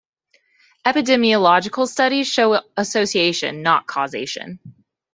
Epidemiological studies show association not causation.